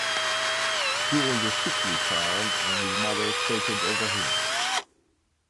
He was a sickly child, and his mother fretted over him.